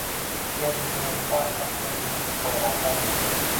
Yer yuzining barcha hududini qamrab oldi.